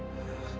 yang gitu dong ma